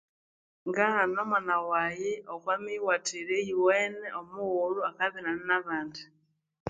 Ngahana omwana wayi okwamibere eyuwene omughulhu akabya inyane na bandi